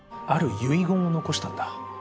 「ある遺言を残したんだ」